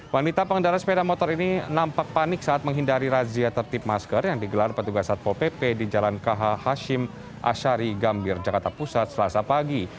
wanita pengendara sepeda motor ini nampak panik saat menghindari razia tertip masker yang digelar petugas satpol pp di jalan kh hashim ashari gambir jakarta pusat selasa pagi